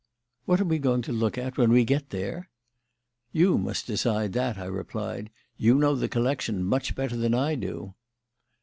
What are we going to look at when we get there?" "You must decide that," I replied. "You know the collection much better than I do."